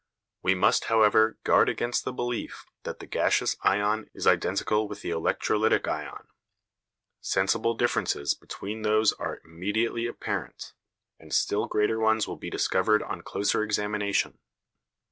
We must, however, guard against the belief that the gaseous ion is identical with the electrolytic ion. Sensible differences between those are immediately apparent, and still greater ones will be discovered on closer examination.